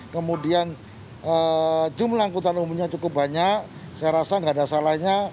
kemudian jumlah angkutan umumnya cukup banyak saya rasa tidak ada salahnya